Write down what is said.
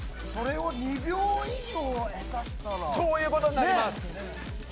それを２秒以上は、下手したそういうことになります。